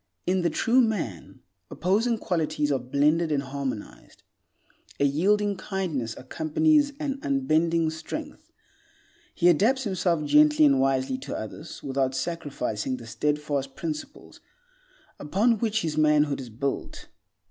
In the true man opposing qualities are blended and harmonized; a yielding kindness accompanies an unbending strength. He adapts himself gently and wisely to others without sacrificing the steadfast principles upon which his manhood is built.